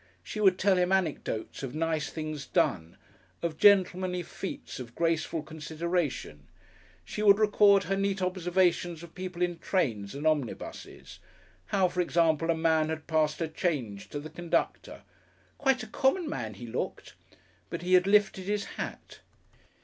She would tell him anecdotes of nice things done, of gentlemanly feats of graceful consideration; she would record her neat observations of people in trains and omnibuses; how, for example, a man had passed her change to the conductor, "quite a common man he looked," but he had lifted his hat.